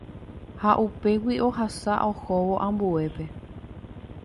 ha upégui ohasa ohóvo ambuépe.